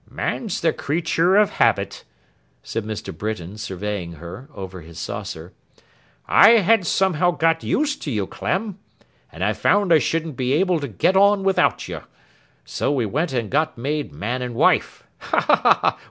'Man's the creature of habit,' said Mr. Britain, surveying her, over his saucer. 'I had somehow got used to you, Clem; and I found I shouldn't be able to get on without you. So we went and got made man and wife. Ha! ha!